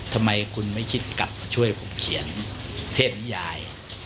ทำไมคุณไม่คิดกลับมาช่วยผมเขียนเทพนิยาย